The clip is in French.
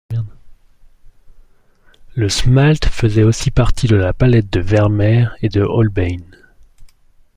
Le smalt faisait aussi partie de la palette de Vermeer et de Holbein.